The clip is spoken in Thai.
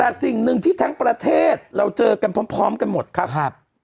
แต่สิ่งหนึ่งที่ทั้งประเทศเราเจอกันพร้อมกันหมดครับ